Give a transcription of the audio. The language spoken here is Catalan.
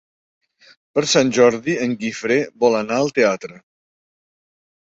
Per Sant Jordi en Guifré vol anar al teatre.